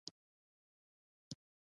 د خبرې مه کوئ.